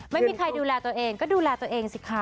ไม่มีใครดูแลตัวเองก็ดูแลตัวเองสิคะ